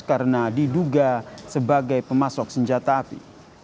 karena diduga sebagai pemasok senjata api